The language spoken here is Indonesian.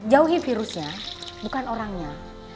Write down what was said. jauhi virusnya bukan orangnya